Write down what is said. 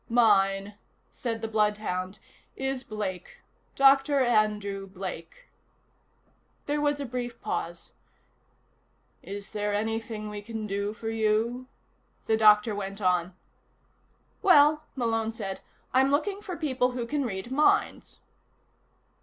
"Mine," said the bloodhound, "is Blake. Doctor Andrew Blake." There was a brief pause. "Is there anything we can do for you?" the doctor went on. "Well," Malone said, "I'm looking for people who can read minds."